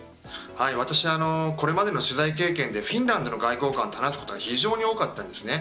私はこれまでの取材経験でフィンランドの外交官と話すことが非常に多かったんです。